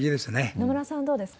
野村さん、どうですか？